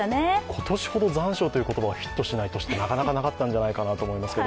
今年ほど残暑という言葉がヒットしない年ってなかなかなかったと思いますが。